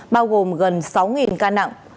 bao gồm gần sáu ca nặng